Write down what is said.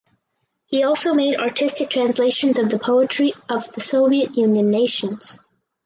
He also made artistic translations of the poetry of the Soviet Union nations.